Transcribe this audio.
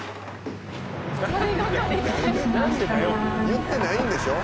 言ってないんでしょ？